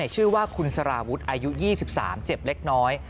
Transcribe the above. ชื่อว่าคุณสารวุฒิอายุ๒๓เจ็บเล็กน้อย